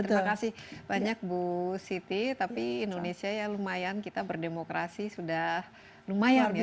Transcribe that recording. terima kasih banyak bu siti tapi indonesia ya lumayan kita berdemokrasi sudah lumayan ya